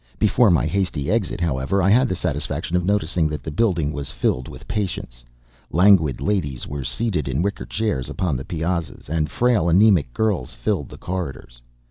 Before my hasty exit, however, I had the satisfaction of noticing that the building was filled with patients. Languid ladies were seated in wicker chairs upon the piazzas, and frail anemic girls filled the corridors.